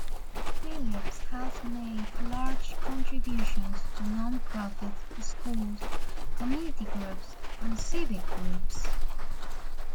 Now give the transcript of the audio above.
Phillips has made large contributions to non-profits, schools, community groups, and civic groups.